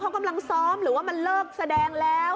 เขากำลังซ้อมหรือว่ามันเลิกแสดงแล้ว